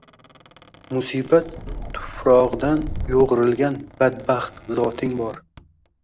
Musibat tufrogʻidan yoʻgʻrilgan badbaxt zoting bor